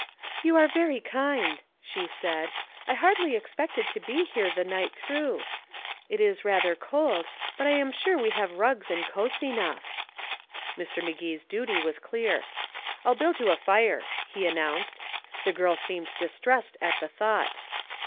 "You are very kind," she said. "I hardly expected to be here the night through. It is rather cold, but I am sure we have rugs and coats enough." Mr. Magee's duty was clear. "I'll build you a fire," he announced. The girl seemed distressed at the thought.